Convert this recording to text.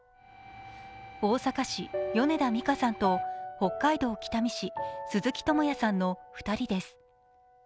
大阪市、米田美佳さんと北海道北見市鈴木智也さんの２人です。